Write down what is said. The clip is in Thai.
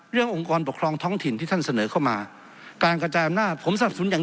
องค์กรปกครองท้องถิ่นที่ท่านเสนอเข้ามาการกระจายอำนาจผมสนับสนุนอย่าง